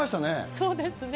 そうですね。